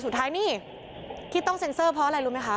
สุดท้ายนี่ที่ต้องเซ็นเซอร์เพราะอะไรรู้ไหมคะ